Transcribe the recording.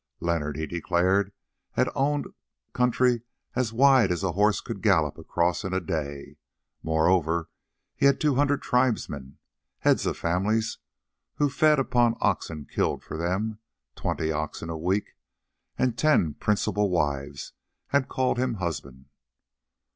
Leonard, he declared, had owned country as wide as a horse could gallop across in a day; moreover, he had two hundred tribesmen, heads of families, who fed upon oxen killed for them—twenty oxen a week; and ten principal wives had called him husband.